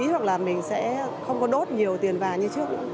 hoặc là mình sẽ không có đốt nhiều tiền vàng như trước